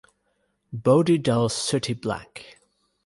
Body dull sooty black.